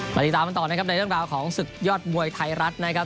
ติดตามกันต่อนะครับในเรื่องราวของศึกยอดมวยไทยรัฐนะครับ